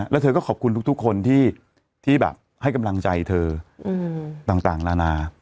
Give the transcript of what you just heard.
แล้วเธอก็ขอบคุณทุกคนที่แบบให้กำลังใจเธอต่างนานา